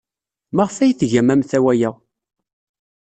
Maɣef ay tgam amtawa-a?